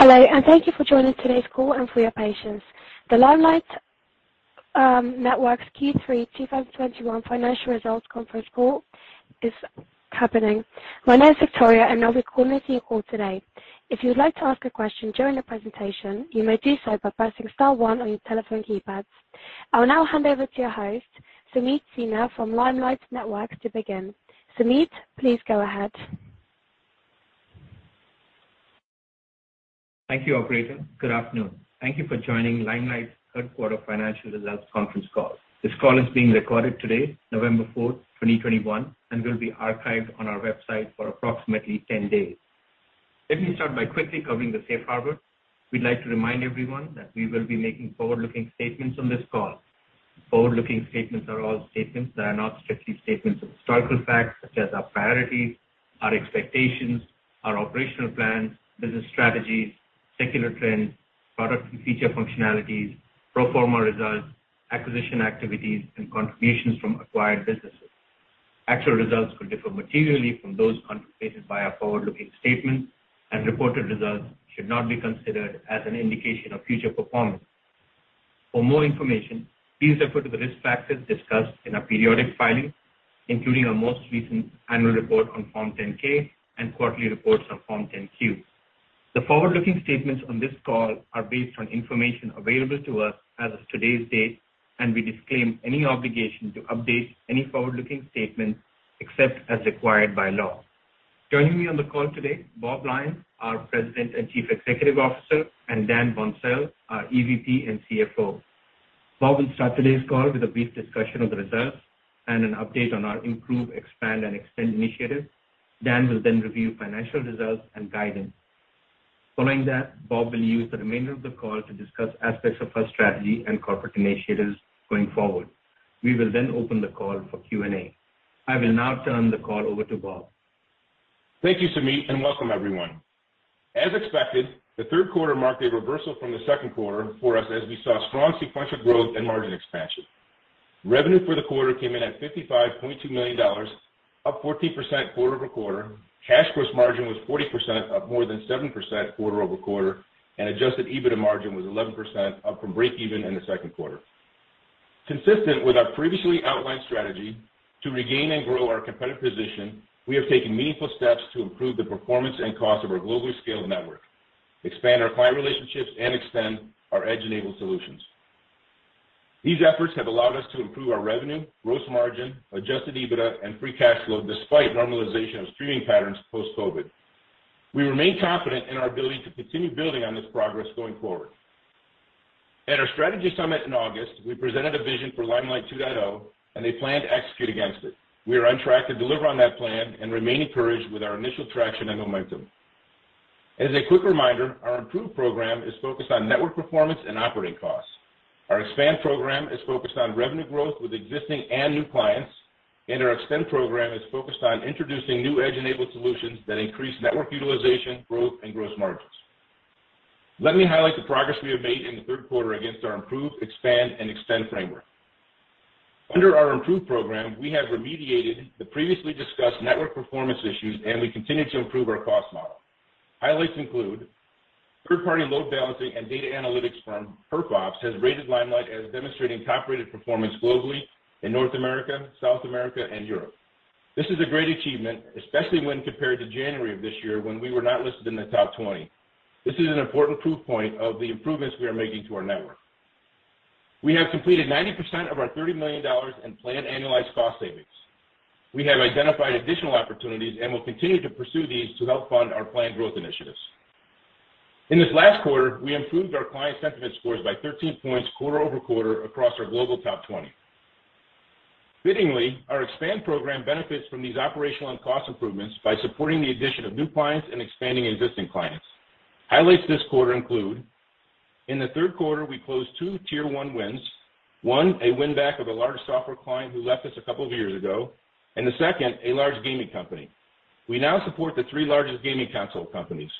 Hello, and thank you for joining today's call and for your patience. The Limelight Networks Q3 2021 Financial Results Conference Call is happening. My name is Victoria, and I'll be coordinating the call today. If you would like to ask a question during the presentation, you may do so by pressing star one on your telephone keypads. I'll now hand over to your host, Sameet Sinha from Limelight Networks to begin. Sameet, please go ahead. Thank you, operator. Good afternoon. Thank you for joining Limelight's Third Quarter Financial Results Conference Call. This call is being recorded today, November 4, 2021 and will be archived on our website for approximately 10 days. Let me start by quickly covering the safe harbor. We'd like to remind everyone that we will be making forward-looking statements on this call. Forward-looking statements are all statements that are not strictly statements of historical facts, such as our priorities, our expectations, our operational plans, business strategies, secular trends, product and feature functionalities, pro forma results, acquisition activities, and contributions from acquired businesses. Actual results could differ materially from those contemplated by our forward-looking statements, and reported results should not be considered as an indication of future performance. For more information, please refer to the risk factors discussed in our periodic filings, including our most recent annual report on Form 10-K and quarterly reports on Form 10-Q. The forward-looking statements on this call are based on information available to us as of today's date, and we disclaim any obligation to update any forward-looking statements except as required by law. Joining me on the call today, Bob Lyons, our President and Chief Executive Officer, and Dan Boncel, our EVP and CFO. Bob will start today's call with a brief discussion of the results and an update on our Improve, Expand and Extend initiative. Dan will then review financial results and guidance. Following that, Bob will use the remainder of the call to discuss aspects of our strategy and corporate initiatives going forward. We will then open the call for Q&A. I will now turn the call over to Bob. Thank you, Sameet, and welcome everyone. As expected, the third quarter marked a reversal from the second quarter for us as we saw strong sequential growth and margin expansion. Revenue for the quarter came in at $55.2 million, up 14% quarter-over-quarter. Cash gross margin was 40%, up more than 7% quarter-over-quarter, and adjusted EBITDA margin was 11%, up from breakeven in the second quarter. Consistent with our previously outlined strategy to regain and grow our competitive position, we have taken meaningful steps to improve the performance and cost of our globally scaled network, expand our client relationships and extend our edge-enabled solutions. These efforts have allowed us to improve our revenue, gross margin, adjusted EBITDA, and free cash flow despite normalization of streaming patterns post-COVID. We remain confident in our ability to continue building on this progress going forward. At our strategy summit in August, we presented a vision for Limelight 2.0 and a plan to execute against it. We are on track to deliver on that plan and remain encouraged with our initial traction and momentum. As a quick reminder, our Improve program is focused on network performance and operating costs. Our Expand program is focused on revenue growth with existing and new clients. Our Extend program is focused on introducing new edge-enabled solutions that increase network utilization, growth, and gross margins. Let me highlight the progress we have made in the third quarter against our Improve, Expand and Extend framework. Under our Improve program, we have remediated the previously discussed network performance issues, and we continue to improve our cost model. Highlights include third-party load balancing and data analytics firm PerfOps has rated Limelight as demonstrating top-rated performance globally in North America, South America and Europe. This is a great achievement, especially when compared to January of this year when we were not listed in the top 20. This is an important proof point of the improvements we are making to our network. We have completed 90% of our $30 million in planned annualized cost savings. We have identified additional opportunities and will continue to pursue these to help fund our planned growth initiatives. In this last quarter, we improved our client sentiment scores by 13 points quarter-over-quarter across our global top 20. Fittingly, our expand program benefits from these operational and cost improvements by supporting the addition of new clients and expanding existing clients. Highlights this quarter include, in the third quarter, we closed two tier one wins. One, a win back of a large software client who left us a couple of years ago, and the second, a large gaming company. We now support the three largest gaming console companies.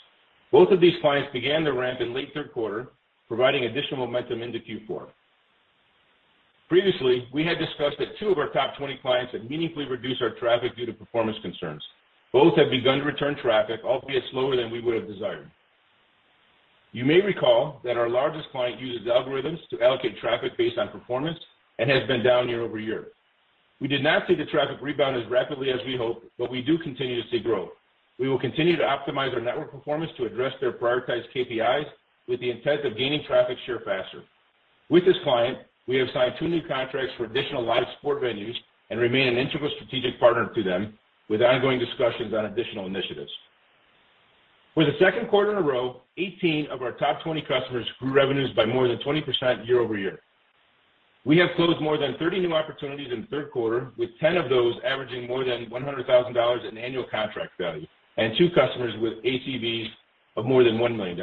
Both of these clients began to ramp in late third quarter, providing additional momentum into Q4. Previously, we had discussed that two of our top twenty clients had meaningfully reduced our traffic due to performance concerns. Both have begun to return traffic, albeit slower than we would have desired. You may recall that our largest client uses algorithms to allocate traffic based on performance and has been down year-over-year. We did not see the traffic rebound as rapidly as we hoped, but we do continue to see growth. We will continue to optimize our network performance to address their prioritized KPIs with the intent of gaining traffic share faster. With this client, we have signed two new contracts for additional live sport venues and remain an integral strategic partner to them with ongoing discussions on additional initiatives. For the second quarter in a row, 18 of our top 20 customers grew revenues by more than 20% year-over-year. We have closed more than 30 new opportunities in the third quarter, with 10 of those averaging more than $100,000 in annual contract value, and two customers with ACVs of more than $1 million.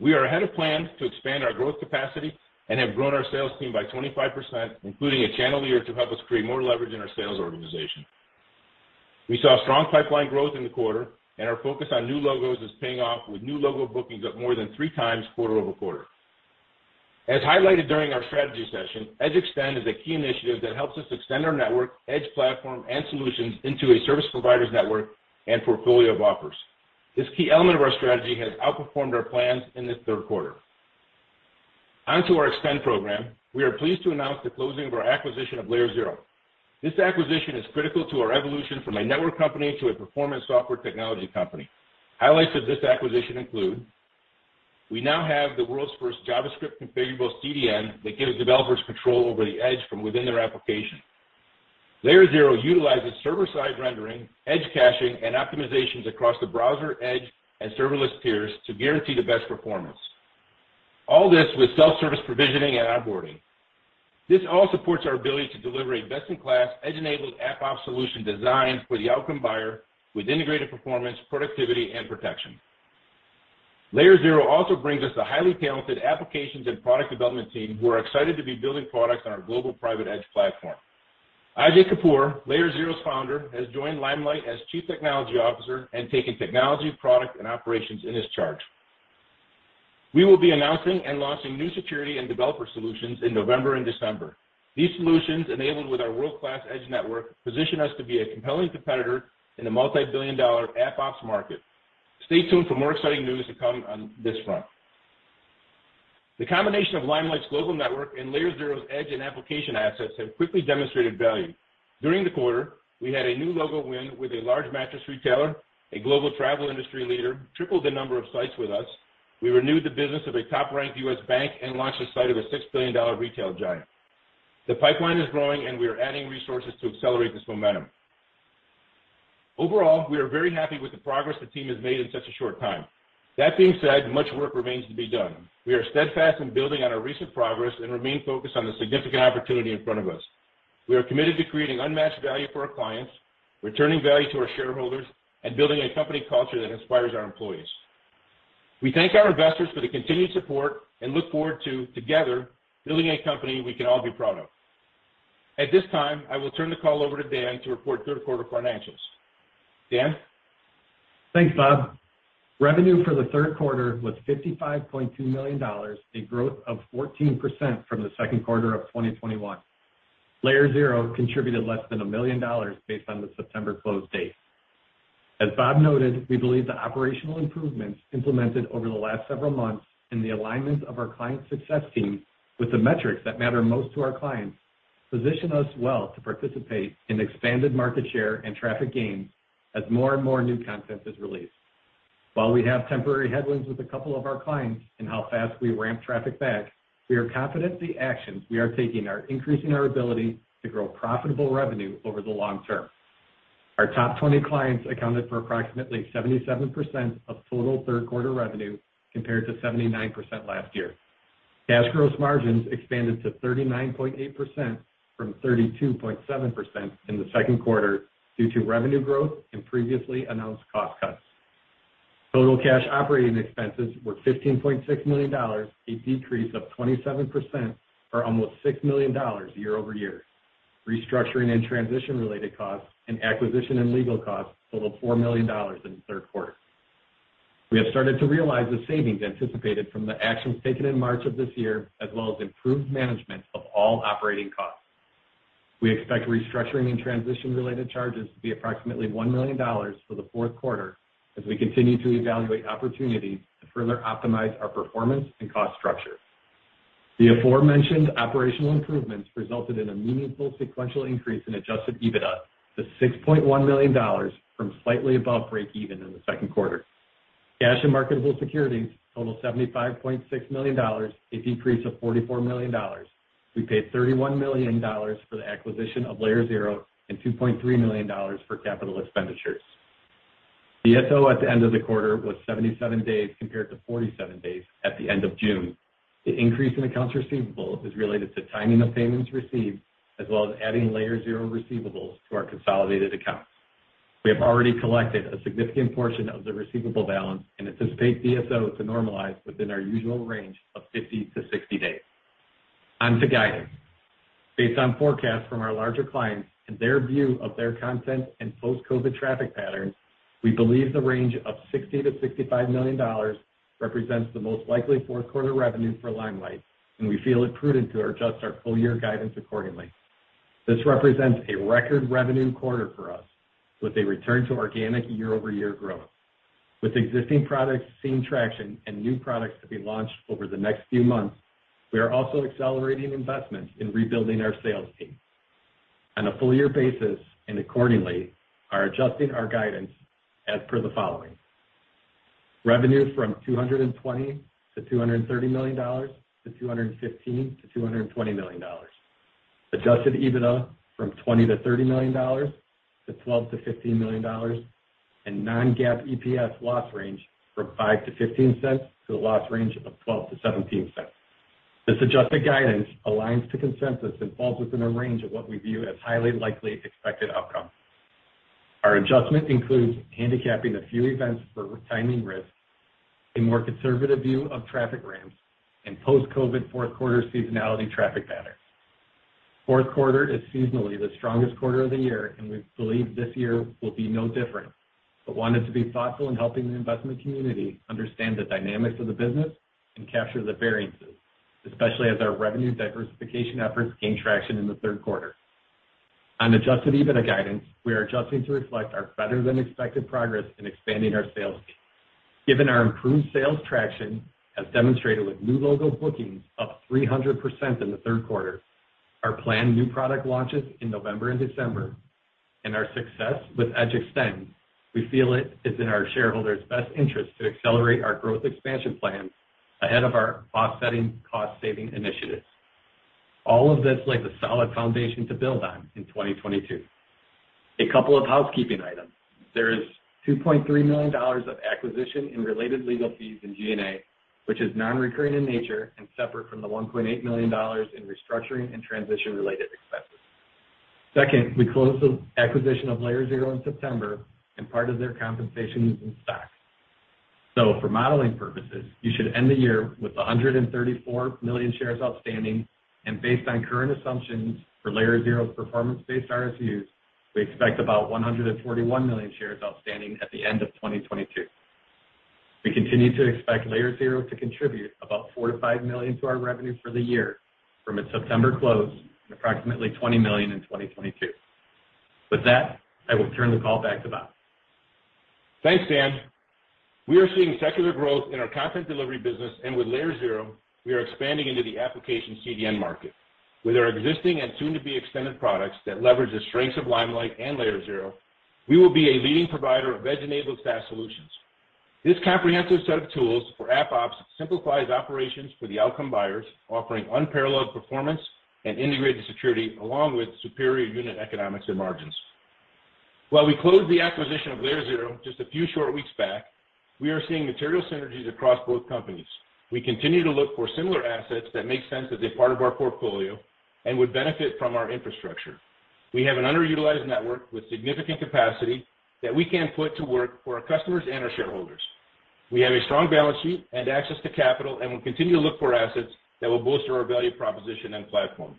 We are ahead of plan to expand our growth capacity and have grown our sales team by 25%, including a channel leader to help us create more leverage in our sales organization. We saw strong pipeline growth in the quarter and our focus on new logos is paying off with new logo bookings up more than 3x quarter-over-quarter. As highlighted during our strategy session, Edge Extend is a key initiative that helps us extend our network, edge platform, and solutions into a service provider's network and portfolio of offers. This key element of our strategy has outperformed our plans in this third quarter. Onto our Extend program, we are pleased to announce the closing of our acquisition of Layer0. This acquisition is critical to our evolution from a network company to a performance software technology company. Highlights of this acquisition include, we now have the world's first JavaScript configurable CDN that gives developers control over the edge from within their application. Layer0 utilizes server-side rendering, edge caching, and optimizations across the browser, edge, and serverless tiers to guarantee the best performance. All this with self-service provisioning and onboarding. This all supports our ability to deliver a best-in-class edge-enabled AppOps solution designed for the outcome buyer with integrated performance, productivity, and protection. Layer0 also brings us the highly talented applications and product development team who are excited to be building products on our global private edge platform. Ajay Kapur, Layer0's founder, has joined Limelight as Chief Technology Officer and taken technology, product, and operations in his charge. We will be announcing and launching new security and developer solutions in November and December. These solutions, enabled with our world-class edge network, position us to be a compelling competitor in the multi-billion dollar AppOps market. Stay tuned for more exciting news to come on this front. The combination of Limelight's global network and Layer0's edge and application assets have quickly demonstrated value. During the quarter, we had a new logo win with a large mattress retailer, a global travel industry leader tripled the number of sites with us. We renewed the business of a top-ranked U.S. bank and launched a site of a $6 billion retail giant. The pipeline is growing, and we are adding resources to accelerate this momentum. Overall, we are very happy with the progress the team has made in such a short time. That being said, much work remains to be done. We are steadfast in building on our recent progress and remain focused on the significant opportunity in front of us. We are committed to creating unmatched value for our clients, returning value to our shareholders, and building a company culture that inspires our employees. We thank our investors for the continued support and look forward to, together, building a company we can all be proud of. At this time, I will turn the call over to Dan to report third quarter financials. Dan? Thanks, Bob. Revenue for the third quarter was $55.2 million, a growth of 14% from the second quarter of 2021. Layer0 contributed less than $1 million based on the September close date. As Bob noted, we believe the operational improvements implemented over the last several months and the alignment of our client success team with the metrics that matter most to our clients position us well to participate in expanded market share and traffic gains as more and more new content is released. While we have temporary headwinds with a couple of our clients in how fast we ramp traffic back, we are confident the actions we are taking are increasing our ability to grow profitable revenue over the long term. Our top 20 clients accounted for approximately 77% of total third quarter revenue, compared to 79% last year. Cash gross margins expanded to 39.8% from 32.7% in the second quarter due to revenue growth and previously announced cost cuts. Total cash operating expenses were $15.6 million, a decrease of 27% or almost $6 million year-over-year. Restructuring and transition-related costs and acquisition and legal costs totaled $4 million in the third quarter. We have started to realize the savings anticipated from the actions taken in March of this year, as well as improved management of all operating costs. We expect restructuring and transition-related charges to be approximately $1 million for the fourth quarter as we continue to evaluate opportunities to further optimize our performance and cost structure. The aforementioned operational improvements resulted in a meaningful sequential increase in adjusted EBITDA to $6.1 million from slightly above break even in the second quarter. Cash and marketable securities total $75.6 million, a decrease of $44 million. We paid $31 million for the acquisition of Layer0 and $2.3 million for capital expenditures. The DSO at the end of the quarter was 77 days compared to 47 days at the end of June. The increase in accounts receivable is related to timing of payments received as well as adding Layer0 receivables to our consolidated accounts. We have already collected a significant portion of the receivable balance and anticipate DSO to normalize within our usual range of 50-60 days. On to guidance. Based on forecasts from our larger clients and their view of their content and post-COVID traffic patterns, we believe the range of $60 million-$65 million represents the most likely fourth quarter revenue for Limelight, and we feel it prudent to adjust our full year guidance accordingly. This represents a record revenue quarter for us with a return to organic year-over-year growth. With existing products seeing traction and new products to be launched over the next few months, we are also accelerating investments in rebuilding our sales team on a full year basis, and accordingly are adjusting our guidance as per the following. Revenue from $220 million-$230 million to $215 million-$220 million. Adjusted EBITDA from $20 million-$30 million to $12 million-$15 million. non-GAAP EPS loss range from $0.05-$0.15 to a loss range of $0.12-$0.17. This adjusted guidance aligns to consensus and falls within a range of what we view as highly likely expected outcomes. Our adjustment includes handicapping a few events for timing risks, a more conservative view of traffic ramps, and post-COVID fourth quarter seasonality traffic patterns. Fourth quarter is seasonally the strongest quarter of the year, and we believe this year will be no different. We wanted to be thoughtful in helping the investment community understand the dynamics of the business and capture the variances, especially as our revenue diversification efforts gain traction in the third quarter. On adjusted EBITDA guidance, we are adjusting to reflect our better-than-expected progress in expanding our sales team. Given our improved sales traction, as demonstrated with new logo bookings up 300% in the third quarter, our planned new product launches in November and December, and our success with Edge Extend, we feel it is in our shareholders' best interest to accelerate our growth expansion plans ahead of our offsetting cost-saving initiatives. All of this lays a solid foundation to build on in 2022. A couple of housekeeping items. There is $2.3 million of acquisition-related legal fees in G&A, which is non-recurring in nature and separate from the $1.8 million in restructuring and transition-related expenses. Second, we closed the acquisition of Layer0 in September, and part of their compensation was in stock. So for modeling purposes, you should end the year with 134 million shares outstanding. Based on current assumptions for Layer0's performance-based RSUs, we expect about 141 million shares outstanding at the end of 2022. We continue to expect Layer0 to contribute about $4 million-$5 million to our revenue for the year from its September close, and approximately $20 million in 2022. With that, I will turn the call back to Bob. Thanks, Dan. We are seeing secular growth in our content delivery business, and with Layer0, we are expanding into the application CDN market. With our existing and soon-to-be extended products that leverage the strengths of Limelight and Layer0, we will be a leading provider of edge-enabled SaaS solutions. This comprehensive set of tools for AppOps simplifies operations for the outcome buyers, offering unparalleled performance and integrated security, along with superior unit economics and margins. While we closed the acquisition of Layer0 just a few short weeks back, we are seeing material synergies across both companies. We continue to look for similar assets that make sense as a part of our portfolio and would benefit from our infrastructure. We have an underutilized network with significant capacity that we can put to work for our customers and our shareholders. We have a strong balance sheet and access to capital, and we'll continue to look for assets that will bolster our value proposition and platform.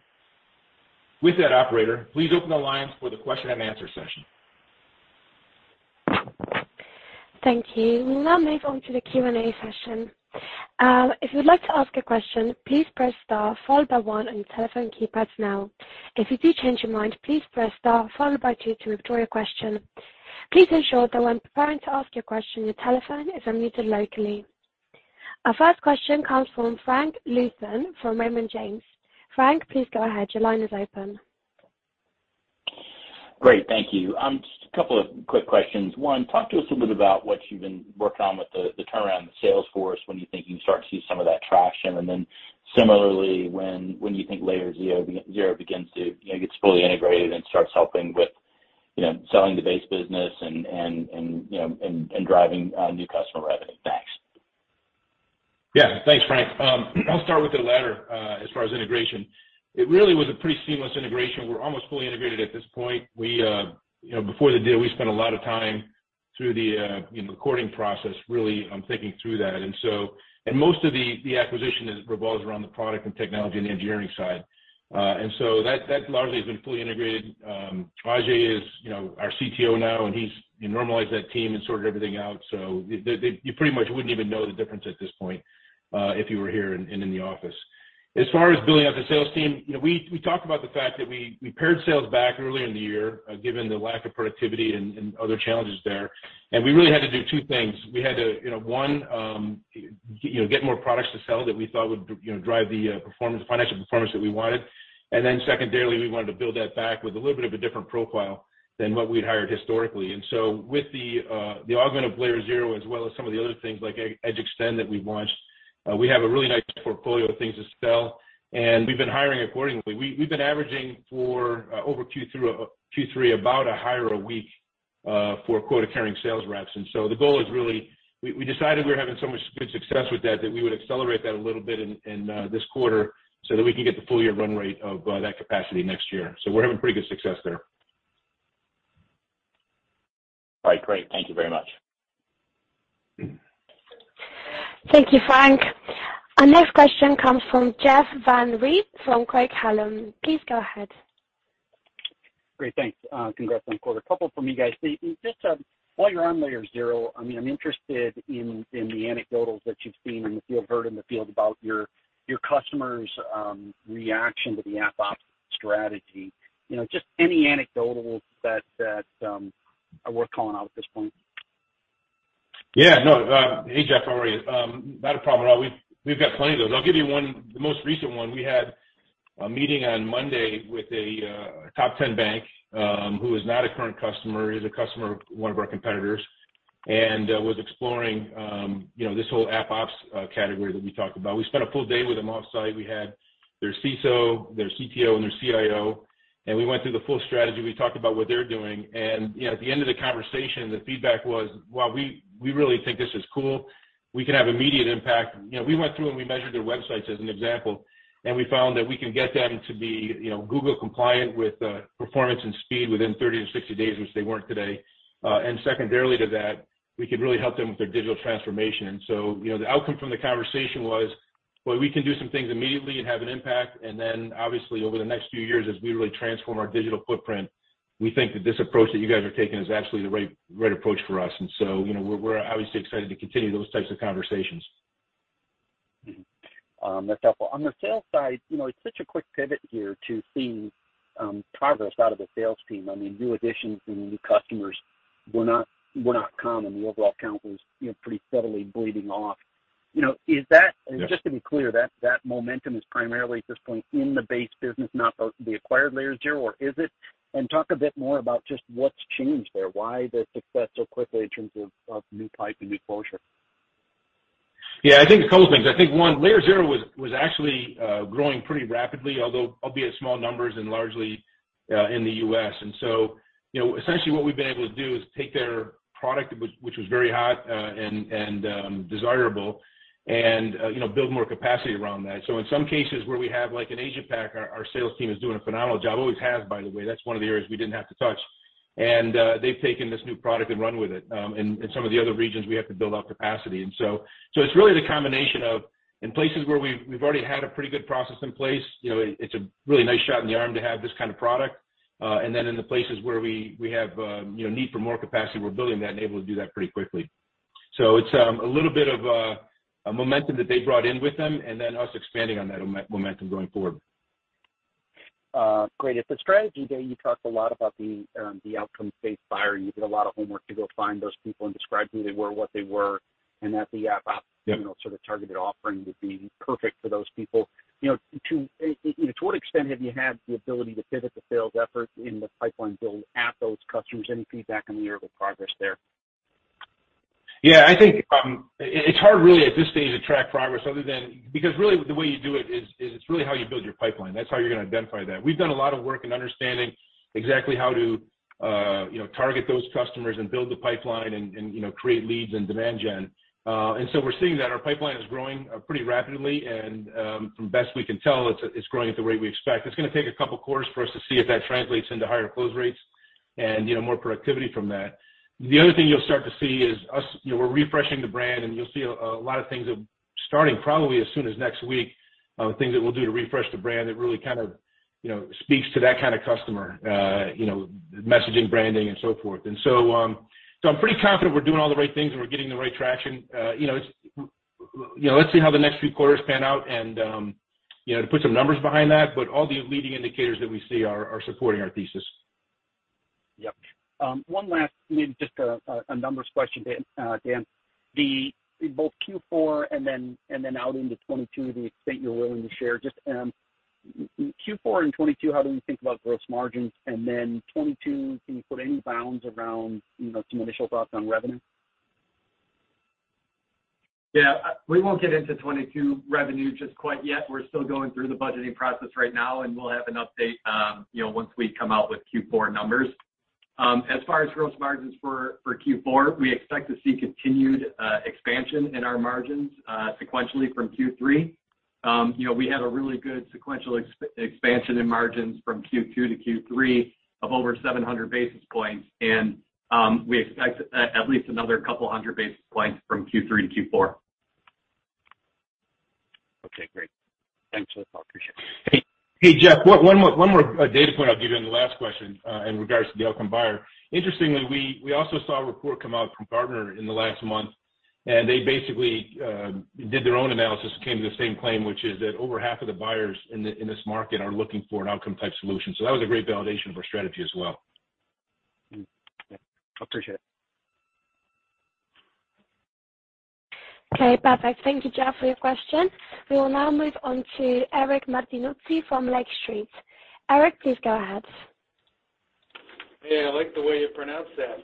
With that, Operator, please open the lines for the question and answer session. Thank you. We'll now move on to the Q&A session. If you'd like to ask a question, please press star followed by one on your telephone keypads now. If you do change your mind, please press star followed by two to withdraw your question. Please ensure that when preparing to ask your question, your telephone is unmuted locally. Our first question comes from Frank Louthan from Raymond James. Frank, please go ahead. Your line is open. Great. Thank you. Just a couple of quick questions. One, talk to us a bit about what you've been working on with the turnaround in the sales force, when you think you can start to see some of that traction? Similarly, when you think Layer0 begins to, you know, gets fully integrated and starts helping with, you know, selling the base business and, you know, driving new customer revenue? Thanks. Yeah. Thanks, Frank. I'll start with the latter, as far as integration. It really was a pretty seamless integration. We're almost fully integrated at this point. We, you know, before the deal, we spent a lot of time through the due diligence process, really thinking through that. Most of the acquisition revolves around the product and technology and the engineering side. That largely has been fully integrated. Ajay is, you know, our CTO now, and he's normalized that team and sorted everything out. You pretty much wouldn't even know the difference at this point, if you were here and in the office. As far as building out the sales team, you know, we talked about the fact that we paired sales back earlier in the year, given the lack of productivity and other challenges there. We really had to do two things. We had to one, get more products to sell that we thought would drive the performance, financial performance that we wanted. Then secondarily, we wanted to build that back with a little bit of a different profile than what we'd hired historically. With the augment of Layer0, as well as some of the other things like Edge Extend that we've launched, we have a really nice portfolio of things to sell, and we've been hiring accordingly. We've been averaging for over Q3 about a hire a week for quota-carrying sales reps. The goal is really we decided we were having so much good success with that that we would accelerate that a little bit in this quarter so that we can get the full year run rate of that capacity next year. We're having pretty good success there. All right. Great. Thank you very much. Thank you, Frank. Our next question comes from Jeff Van Rhee from Craig-Hallum. Please go ahead. Great. Thanks. Congrats on the quarter. A couple from you guys. See, just, while you're on Layer0, I mean, I'm interested in the anecdotes that you've seen in the field, heard in the field about your customers' reaction to the AppOps strategy. You know, just any anecdotes that are worth calling out at this point. Yeah. No. Hey, Jeff. How are you? Not a problem at all. We've got plenty of those. I'll give you one, the most recent one. We had a meeting on Monday with a top ten bank who is not a current customer, is a customer of one of our competitors, and was exploring you know, this whole AppOps category that we talked about. We spent a full day with them off-site. We had their CISO, their CTO, and their CIO, and we went through the full strategy. We talked about what they're doing. You know, at the end of the conversation, the feedback was, Wow, we really think this is cool. We can have immediate impact. You know, we went through and we measured their websites as an example, and we found that we can get them to be, you know, Google compliant with performance and speed within 30-60 days, which they weren't today. And secondarily to that. We can really help them with their digital transformation. You know, the outcome from the conversation was, well, we can do some things immediately and have an impact. Obviously over the next few years, as we really transform our digital footprint, we think that this approach that you guys are taking is absolutely the right approach for us. You know, we're obviously excited to continue those types of conversations. That's helpful. On the sales side, you know, it's such a quick pivot here to seeing progress out of the sales team. I mean, new additions and new customers were not common. The overall count was, you know, pretty steadily bleeding off. You know, is that- Yes. Just to be clear, that momentum is primarily at this point in the base business, not the acquired Layer0, or is it? Talk a bit more about just what's changed there, why the success so quickly in terms of new pipeline and new closures. Yeah. I think a couple things. I think one, Layer0 was actually growing pretty rapidly, although albeit small numbers and largely in the U.S. You know, essentially what we've been able to do is take their product, which was very hot and desirable and, you know, build more capacity around that. In some cases where we have like an Asia Pac, our sales team is doing a phenomenal job. Always has, by the way, that's one of the areas we didn't have to touch. They've taken this new product and run with it. In some of the other regions, we have to build out capacity. It's really the combination of in places where we've already had a pretty good process in place. You know, it's a really nice shot in the arm to have this kind of product. In the places where we have, you know, need for more capacity, we're building that and able to do that pretty quickly. It's a little bit of a momentum that they brought in with them, and then us expanding on that momentum going forward. Great. At the strategy day, you talked a lot about the outcome-based buyer, and you did a lot of homework to go find those people and describe who they were, what they were, and that the AppOps- Yeah. You know, sort of targeted offering would be perfect for those people. You know, you know, to what extent have you had the ability to pivot the sales efforts in the pipeline build at those customers? Any feedback on the year of progress there? Yeah. I think it's hard really at this stage to track progress other than really the way you do it is it's really how you build your pipeline. That's how you're gonna identify that. We've done a lot of work in understanding exactly how to you know target those customers and build the pipeline and you know create leads and demand gen. We're seeing that our pipeline is growing pretty rapidly. From the best we can tell it's growing at the rate we expect. It's gonna take a couple of quarters for us to see if that translates into higher close rates and you know more productivity from that. The other thing you'll start to see is us, you know, we're refreshing the brand, and you'll see a lot of things are starting probably as soon as next week, things that we'll do to refresh the brand that really kind of, you know, speaks to that kind of customer, you know, messaging, branding, and so forth. I'm pretty confident we're doing all the right things and we're getting the right traction. You know, it's, you know, let's see how the next few quarters pan out and, you know, to put some numbers behind that, but all the leading indicators that we see are supporting our thesis. Yep. One last maybe just a numbers question, Dan. In both Q4 and then out into 2022, the extent you're willing to share just Q4 and 2022, how do we think about gross margins? 2022, can you put any bounds around, you know, some initial thoughts on revenue? Yeah. We won't get into 2022 revenue just quite yet. We're still going through the budgeting process right now, and we'll have an update, you know, once we come out with Q4 numbers. As far as gross margins for Q4, we expect to see continued expansion in our margins sequentially from Q3. You know, we had a really good sequential expansion in margins from Q2 to Q3 of over 700 basis points. We expect at least another 200 basis points from Q3 to Q4. Okay, great. Thanks for the call. Appreciate it. Hey. Hey, Jeff, one more data point I'll give you on the last question in regards to the outcome buyer. Interestingly, we also saw a report come out from Gartner in the last month, and they basically did their own analysis and came to the same claim, which is that over half of the buyers in this market are looking for an outcome type solution. That was a great validation for strategy as well. Mm-hmm. Yeah. Appreciate it. Okay, perfect. Thank you, Jeff, for your question. We will now move on to Eric Martinuzzi from Lake Street. Eric, please go ahead. Yeah, I like the way you pronounce that.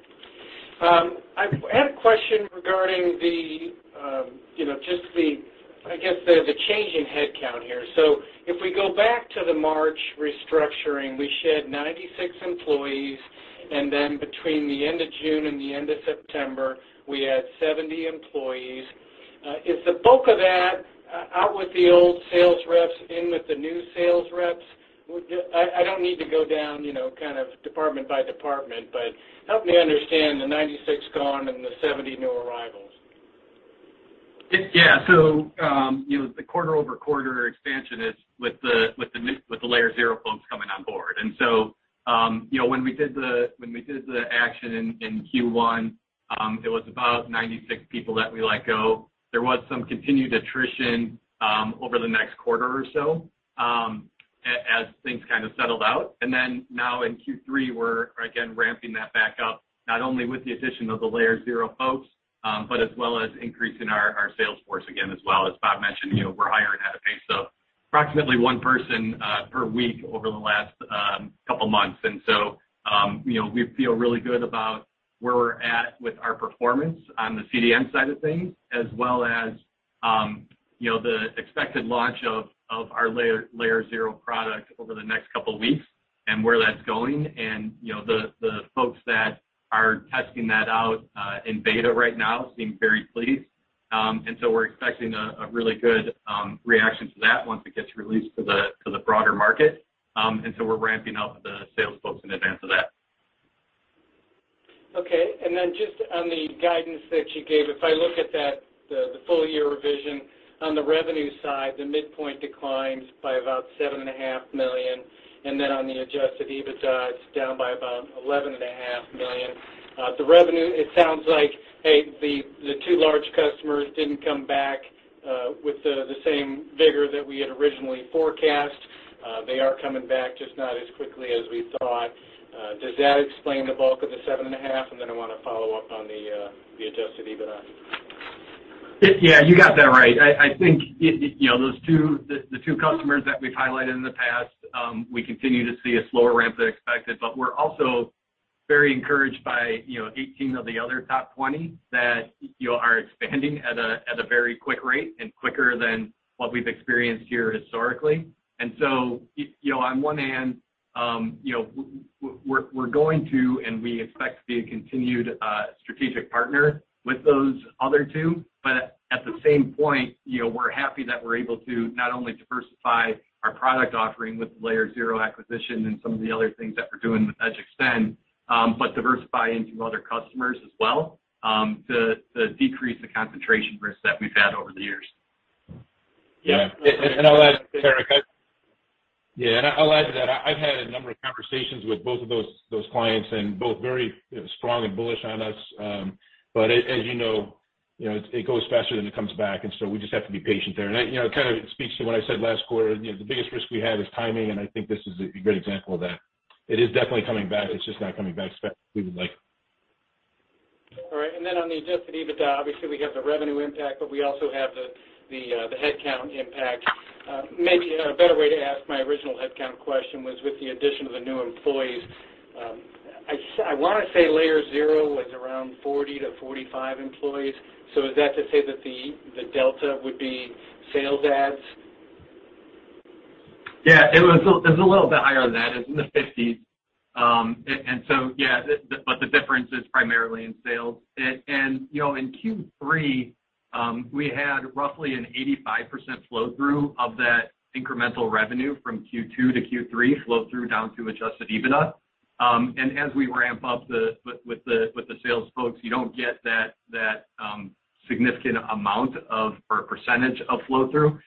I had a question regarding you know just I guess the change in headcount here. If we go back to the March restructuring, we shed 96 employees, and then between the end of June and the end of September, we had 70 employees. Is the bulk of that out with the old sales reps, in with the new sales reps? I don't need to go down you know kind of department by department, but help me understand the 96 gone and the 70 new arrivals. Yeah. You know, the quarter-over-quarter expansion is with the Layer0 folks coming on board. You know, when we did the action in Q1, it was about 96 people that we let go. There was some continued attrition over the next quarter or so, as things kind of settled out. Now in Q3, we're again ramping that back up, not only with the addition of the Layer0 folks, but as well as increasing our sales force again as well. As Bob mentioned, you know, we're hiring at a pace of approximately one person per week over the last couple of months. We feel really good about where we're at with our performance on the CDN side of things, as well as, you know, the expected launch of Layer0 product over the next couple of weeks and where that's going. You know, the folks that are testing that out in beta right now seem very pleased. We're expecting a really good reaction to that once it gets released to the broader market. We're ramping up the sales folks in advance of that. Okay. Just on the guidance that you gave, if I look at that, the full year revision on the revenue side, the midpoint declines by about $7.5 million, and then on the adjusted EBITDA, it's down by about $11.5 million. The revenue, it sounds like, hey, the two large customers didn't come back with the same vigor that we had originally forecast. They are coming back, just not as quickly as we thought. Does that explain the bulk of the $7.5 million? I wanna follow up on the adjusted EBITDA. Yeah, you got that right. I think it, you know, those two customers that we've highlighted in the past, we continue to see a slower ramp than expected, but we're also very encouraged by, you know, 18 of the other top 20 that, you know, are expanding at a very quick rate and quicker than what we've experienced here historically. You know, on one hand, you know, we're going to, and we expect to be a continued strategic partner with those other two, but at the same point, you know, we're happy that we're able to not only diversify our product offering with Layer0 acquisition and some of the other things that we're doing with Edge Extend, but diversify into other customers as well, to decrease the concentration risk that we've had over the years. Yeah, I'll add to that, Eric. I've had a number of conversations with both of those clients and both very strong and bullish on us. But as you know, it goes faster than it comes back, so we just have to be patient there. That kind of speaks to what I said last quarter. You know, the biggest risk we have is timing, and I think this is a great example of that. It is definitely coming back. It's just not coming back as fast as we would like. On the adjusted EBITDA, obviously, we have the revenue impact, but we also have the headcount impact. Maybe, you know, a better way to ask my original headcount question was with the addition of the new employees. I wanna say Layer0 was around 40-45 employees. Is that to say that the delta would be sales adds? Yeah. It's a little bit higher than that. It's in the 50s. Yeah, but the difference is primarily in sales. You know, in Q3, we had roughly an 85% flow through of that incremental revenue from Q2 to Q3 flow through down to adjusted EBITDA. As we ramp up with the sales folks, you don't get that significant amount of, or percentage of flow through.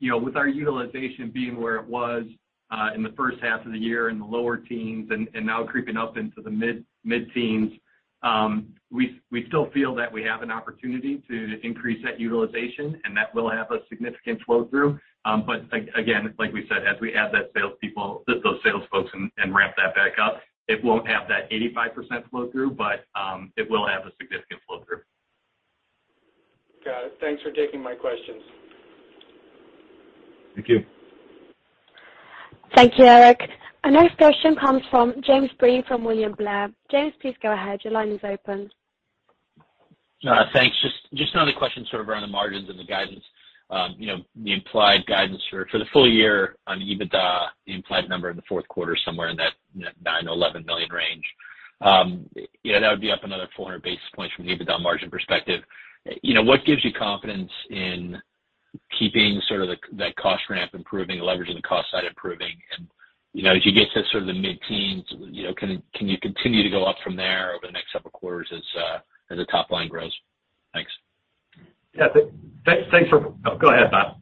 You know, with our utilization being where it was in the first half of the year in the lower teens and now creeping up into the mid-teens, we still feel that we have an opportunity to increase that utilization, and that will have a significant flow through. Again, like we said, as we add that sales people, those sales folks and ramp that back up, it won't have that 85% flow through, but it will have a significant flow through. Got it. Thanks for taking my questions. Thank you. Thank you, Eric. Our next question comes from James Breen from William Blair. James, please go ahead. Your line is open. Thanks. Just another question sort of around the margins and the guidance, you know, the implied guidance for the full year on EBITDA, the implied number in the fourth quarter, somewhere in that $9 million-$11 million range. Yeah, that would be up another 400 basis points from the EBITDA margin perspective. You know, what gives you confidence in keeping sort of that cost ramp improving, leveraging the cost side improving? You know, as you get to sort of the mid-teens, you know, can you continue to go up from there over the next several quarters as the top line grows? Thanks. Yeah. Oh, go ahead, Bob.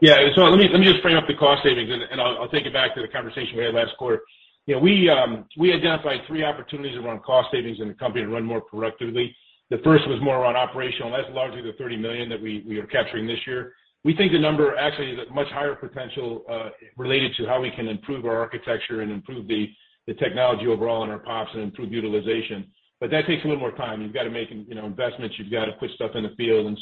Yeah. Let me just frame up the cost savings, and I'll take it back to the conversation we had last quarter. You know, we identified three opportunities around cost savings in the company to run more productively. The first was more around operational, and that's largely the $30 million that we are capturing this year. We think the number actually is at much higher potential, related to how we can improve our architecture and improve the technology overall in our POPS and improve utilization. But that takes a little more time. You've got to make, you know, investments. You've got to put stuff in the field.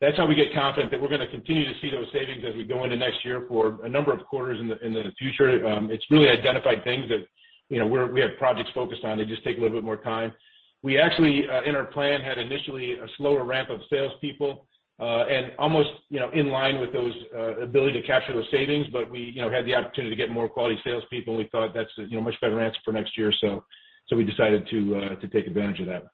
That's how we get confident that we're gonna continue to see those savings as we go into next year for a number of quarters in the future. It's really identified things that, you know, we have projects focused on. They just take a little bit more time. We actually, in our plan, had initially a slower ramp of salespeople, and almost, you know, in line with those, ability to capture those savings, but we, you know, had the opportunity to get more quality salespeople. We thought that's a, you know, much better answer for next year. So we decided to take advantage of that.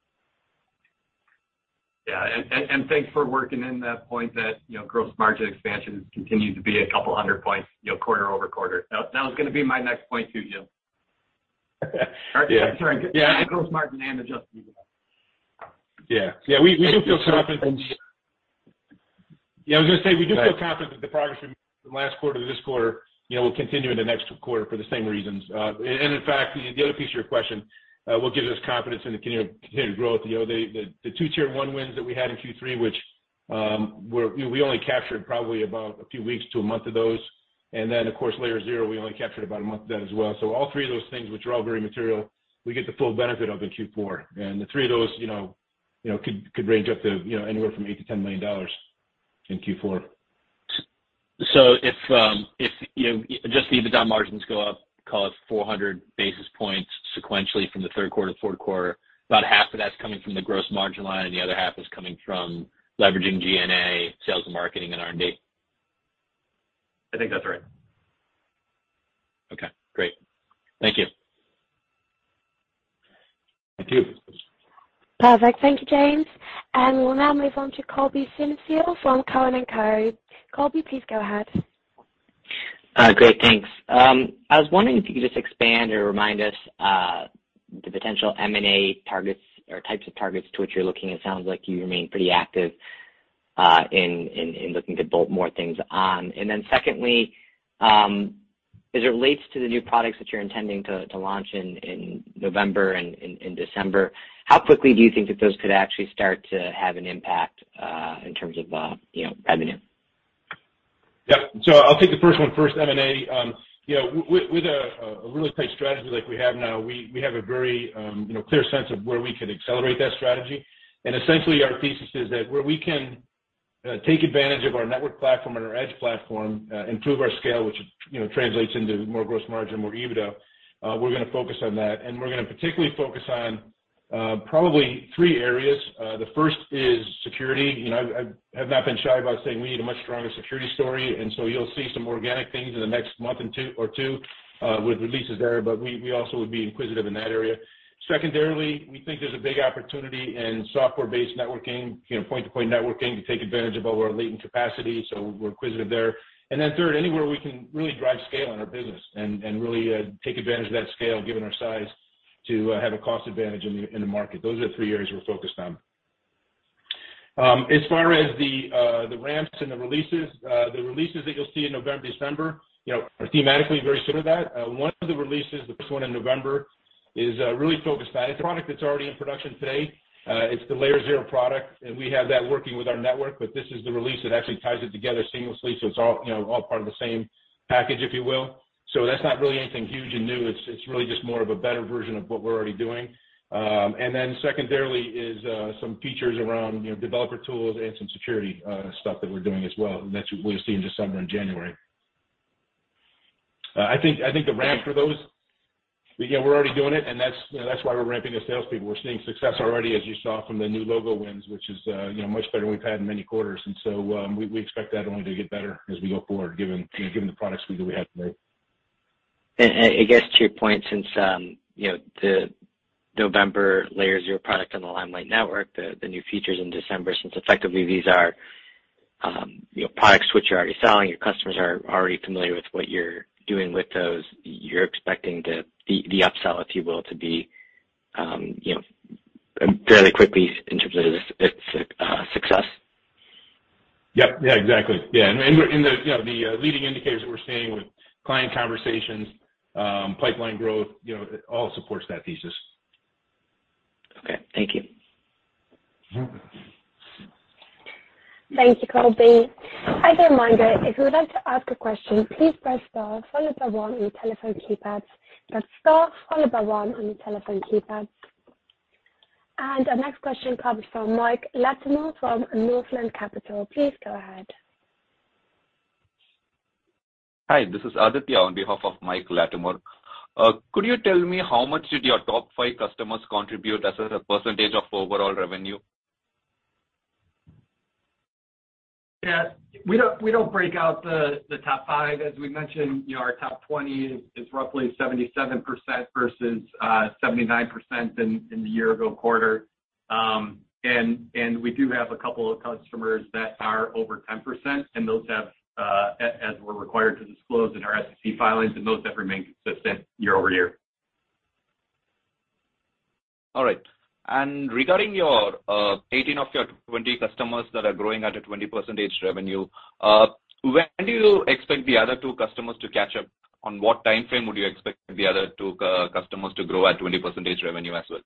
Yeah. Thanks for working in that point that, you know, gross margin expansion has continued to be 200 points, you know, quarter-over-quarter. That was gonna be my next point to you. Yeah. Sorry. The gross margin and adjusted EBITDA. Yeah. We do feel confident. Thanks. Yeah. I was gonna say, we do feel confident that the progress we made from last quarter to this quarter, you know, will continue in the next quarter for the same reasons. In fact, the other piece of your question, what gives us confidence in the continued growth, you know, the two Tier One wins that we had in Q3, which, were, you know, we only captured probably about a few weeks to a month of those. Then, of course, Layer0, we only captured about a month of that as well. All three of those things, which are all very material, we get the full benefit of in Q4. The three of those, you know, could range up to, you know, anywhere from $8 million-$10 million in Q4. If, you know, just the EBITDA margins go up, call it 400 basis points sequentially from the third quarter to fourth quarter, about half of that's coming from the gross margin line, and the other half is coming from leveraging G&A, sales and marketing and R&D? I think that's right. Great. Thank you. Thank you. Perfect. Thank you, James. We'll now move on to Colby Synesael from Cowen & Co. Colby, please go ahead. Great, thanks. I was wondering if you could just expand or remind us the potential M&A targets or types of targets to which you're looking. It sounds like you remain pretty active in looking to bolt more things on. Then secondly, as it relates to the new products that you're intending to launch in November and December, how quickly do you think that those could actually start to have an impact in terms of you know, revenue? Yeah. I'll take the first one first, M&A. You know, with a really tight strategy like we have now, we have a very you know clear sense of where we could accelerate that strategy. Essentially our thesis is that where we can take advantage of our network platform and our edge platform, improve our scale, which you know translates into more gross margin, more EBITDA, we're gonna focus on that. We're gonna particularly focus on probably three areas. The first is security. You know, I have not been shy about saying we need a much stronger security story, and so you'll see some organic things in the next month or two with releases there, but we also would be inquisitive in that area. Secondarily, we think there's a big opportunity in software-based networking, you know, point-to-point networking to take advantage of our latent capacity, so we're inquisitive there. Then third, anywhere we can really drive scale in our business and really take advantage of that scale given our size to have a cost advantage in the market. Those are the three areas we're focused on. As far as the ramps and the releases, the releases that you'll see in November and December, you know, are thematically very similar that. One of the releases, the first one in November, is really focused on. It's a product that's already in production today. It's the Layer0 product, and we have that working with our network, but this is the release that actually ties it together seamlessly, so it's all, you know, all part of the same package, if you will. That's not really anything huge and new. It's really just more of a better version of what we're already doing. Secondarily is some features around, you know, developer tools and some security stuff that we're doing as well, and that you-- we'll see in December and January. I think the ramp for those, yeah, we're already doing it, and that's, you know, that's why we're ramping the salespeople. We're seeing success already, as you saw from the new logo wins, which is, you know, much better than we've had in many quarters. We expect that only to get better as we go forward, given, you know, given the product suite that we have today. I guess to your point since, you know, the November Layer0 product on the Limelight network, the new features in December, since effectively these are, you know, products which you're already selling, your customers are already familiar with what you're doing with those, you're expecting the upsell, if you will, to be, you know, fairly quickly interpreted as a success? Yep. Yeah, exactly. Yeah. We're in the, you know, leading indicators that we're seeing with client conversations, pipeline growth, you know, it all supports that thesis. Okay. Thank you. Mm-hmm. Thank you, Colby. As a reminder, if you would like to ask a question, please press star followed by one on your telephone keypads. Our next question comes from Mike Latimore from Northland Capital. Please go ahead. Hi. This is Aditya on behalf of Mike Latimore. Could you tell me how much did your top five customers contribute as a percentage of overall revenue? Yeah. We don't break out the top five. As we mentioned, you know, our top 20 is roughly 77% versus 79% in the year ago quarter. And we do have a couple of customers that are over 10%, and those, as we're required to disclose in our SEC filings, have remained consistent year-over-year. All right. Regarding your 18 of your 20 customers that are growing at a 20% revenue, when do you expect the other two customers to catch up? On what timeframe would you expect the other two customers to grow at 20% revenue as well?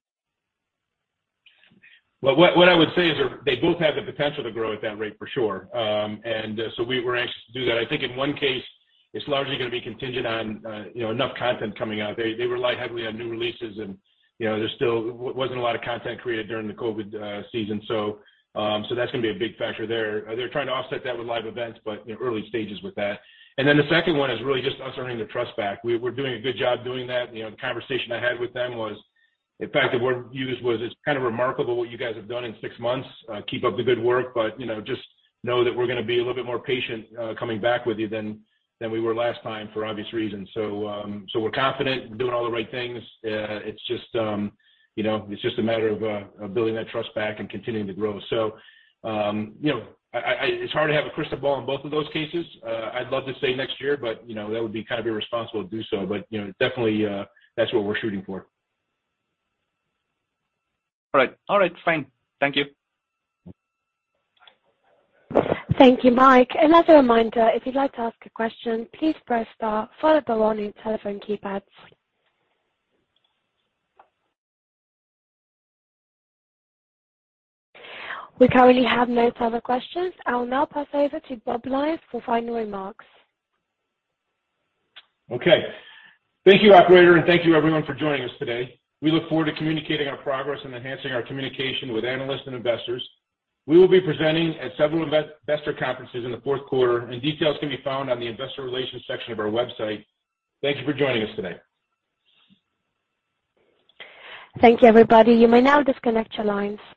Well, what I would say is they both have the potential to grow at that rate for sure. We're anxious to do that. I think in one case, it's largely gonna be contingent on, you know, enough content coming out. They rely heavily on new releases and, you know, there wasn't a lot of content created during the COVID season. That's gonna be a big factor there. They're trying to offset that with live events, but early stages with that. Then the second one is really just us earning their trust back. We're doing a good job doing that. You know, the conversation I had with them was, in fact, the word used was, It's kind of remarkable what you guys have done in six months. Keep up the good work, but, you know, just know that we're gonna be a little bit more patient, coming back with you than we were last time for obvious reasons. We're confident we're doing all the right things. It's just, you know, it's just a matter of building that trust back and continuing to grow. You know, it's hard to have a crystal ball on both of those cases. I'd love to say next year, but, you know, that would be kind of irresponsible to do so. But, you know, definitely, that's what we're shooting for. All right, fine. Thank you. Thank you, Mike. Another reminder, if you'd like to ask a question, please press star followed by one on your telephone keypads. We currently have no further questions. I will now pass over to Bob Lyons for final remarks. Okay. Thank you, Operator, and thank you everyone for joining us today. We look forward to communicating our progress and enhancing our communication with analysts and investors. We will be presenting at several investor conferences in the fourth quarter, and details can be found on the investor relations section of our website. Thank you for joining us today. Thank you, everybody. You may now disconnect your lines.